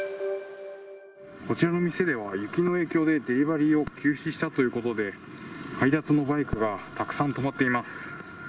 こちらの店では、雪の影響でデリバリーを休止したということで、配達のバイクがたくさん止まっています。